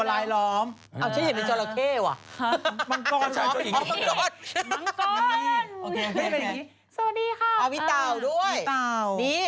แล้วก็ตั้งแต่วันที่๑มีนาคมถึง๑๕เมษาเนี่ยเธอเอาไปเลย